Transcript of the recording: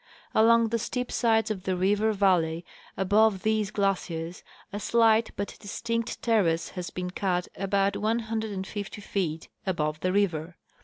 Along the steep sides of the river val ley above these glaciers a slight but distinct terrace has been cut about 150 feet above the river.